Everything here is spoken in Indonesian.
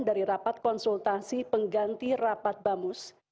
dari rapat konsultasi pengganti rapat bamus